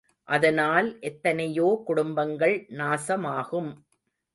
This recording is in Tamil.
அதனால் எத்தனையோ குடும்பங்கள் நாசமாகும்.